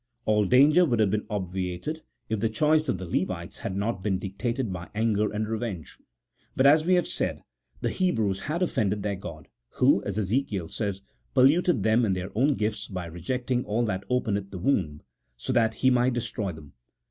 All danger would have been obviated, if the choice of the Levites had not been dictated by anger and revenge. But, as we have said, the Hebrews had offended their God, Who, as Ezekiel says, polluted them in their own gifts by reject ing all that openeth the womb, so that He might destroy them.